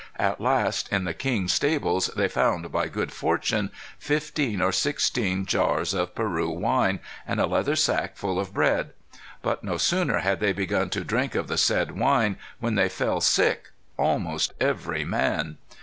At last, in the king's stables, they found, by good fortune, fifteen or sixteen jars of Peru wine, and a leather sack full of bread. But no sooner had they begun to drink of the said wine, when they fell sick, almost every man.